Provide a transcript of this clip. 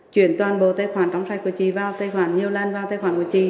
chuyển toàn bộ tài khoản trống sạch của chị vào tài khoản nhiều lần vào tài khoản của chị